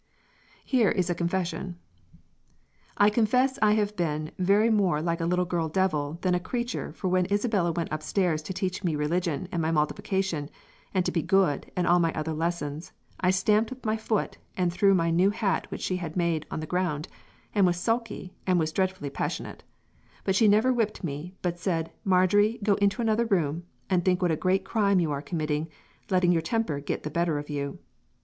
Here is a confession: "I confess I have been very more like a little young divil than a creature for when Isabella went up stairs to teach me religion and my multiplication and to be good and all my other lessons I stamped with my foot and threw my new hat which she had made on the ground and was sulky and was dreadfully passionate, but she never whiped me but said Marjory go into another room and think what a great crime you are committing letting your temper git the better of you.